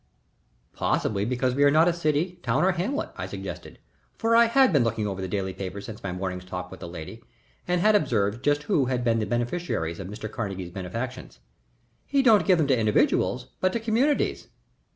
"Possibly because we are not a city, town, or hamlet," I suggested, for I had been looking over the daily papers since my morning's talk with the lady, and had observed just who had been the beneficiaries of Mr. Carnegie's benefactions. "He don't give 'em to individuals, but to communities."